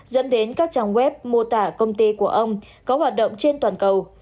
dẫn đến các trang web mô tả công ty của ông có hoạt động trên toàn cầu